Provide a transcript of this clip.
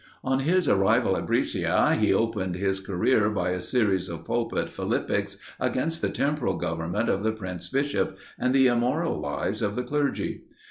On his arrival at Brescia, he opened his career by a series of pulpit philippics against the temporal government of the Prince Bishop, and the immoral lives of the clergy.